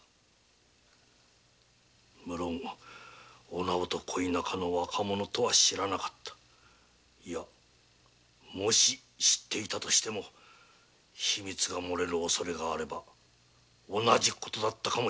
お直と恋仲の若者とは知らなかったいや知っていたとしても秘密を漏らす恐れがあれば同じ事だったかも知れぬ。